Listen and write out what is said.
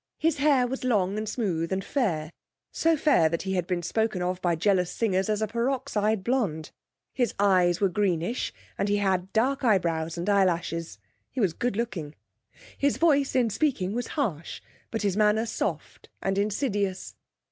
His hair was long and smooth and fair, so fair that he had been spoken of by jealous singers as a peroxide blond. His eyes were greenish, and he had dark eyebrows and eyelashes. He was good looking. His voice in speaking was harsh, but his manner soft and insidious.